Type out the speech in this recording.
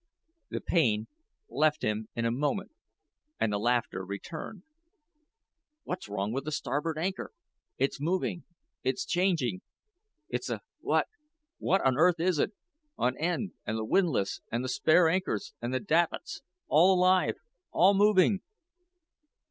The pain left him in a moment and the laughter returned. "What's wrong with the starboard anchor? It's moving. It's changing. It's a what? What on earth is it? On end and the windlass and the spare anchors and the davits all alive all moving."